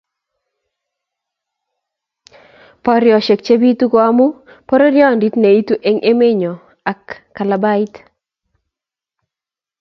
Boriosiek chebitu ko amu pororiondit neitu eng emenyo ak kalabait